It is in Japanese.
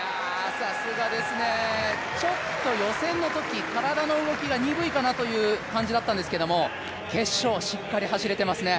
さすがですね、ちょっと予選のとき、体の動きが鈍いかなという感じだったんですけども決勝、しっかり走れてますね。